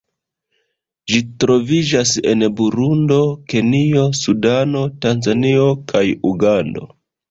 Ĝi troviĝas en Burundo, Kenjo, Sudano, Tanzanio kaj Ugando.